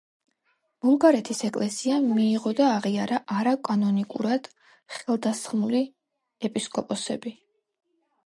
ბულგარეთის ეკლესიამ მიიღო და აღიარა არაკანონიკურად ხელდასხმული ეპისკოპოსები.